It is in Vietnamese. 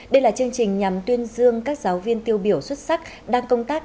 đây là chương trình nhằm tuyên dương các giáo viên tiêu biểu xuất sắc đang công tác